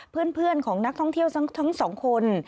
เพื่อนของนักท่องเที่ยวทั้งสองคน